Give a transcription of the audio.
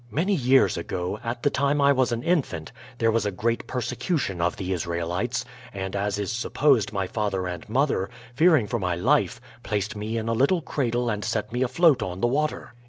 "Many years ago, at the time I was an infant, there was a great persecution of the Israelites, and as is supposed my father and mother, fearing for my life, placed me in a little cradle and set me afloat on the water.